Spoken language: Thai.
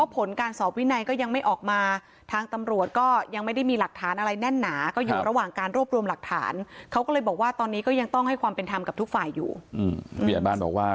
เพราะผลการสอบวินัยก็ยังไม่ออกมา